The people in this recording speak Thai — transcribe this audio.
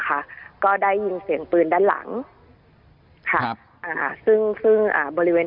ค่ะก็ได้ยินเสียงปืนด้านหลังค่ะครับอ่าซึ่งซึ่งอ่าบริเวณ